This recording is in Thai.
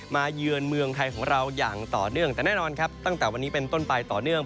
เยือนเมืองไทยของเราอย่างต่อเนื่องแต่แน่นอนครับตั้งแต่วันนี้เป็นต้นไปต่อเนื่อง